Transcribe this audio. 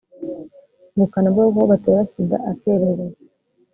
ubukana bw agakoko gatera sida akererewe